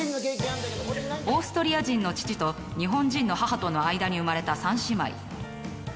オーストリア人の父と日本人の母との間に生まれた３姉妹。